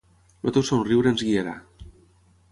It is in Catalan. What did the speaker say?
El teu somriure ens guiarà.